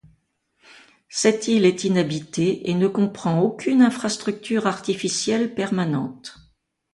Cette île est inhabitée et ne comprend aucune infrastructure artificielle permanente.